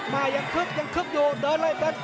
มายังคึกยังคึกอยู่เดินเลยเดิน